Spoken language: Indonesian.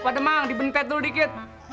pak demang dibentet dulu dikit